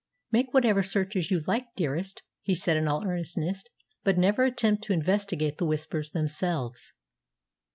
"Make whatever searches you like, dearest," he said in all earnestness, "but never attempt to investigate the Whispers themselves."